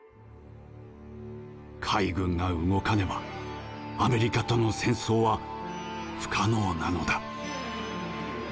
海軍が動かねばアメリカとの戦争は不可能なのだ。